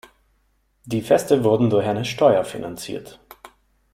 Die Feste wurden durch eine Steuer finanziert.